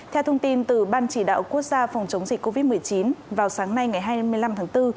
theo thông tin từ ban chỉ đạo quốc gia phòng chống dịch covid một mươi chín vào sáng nay ngày hai mươi năm tháng bốn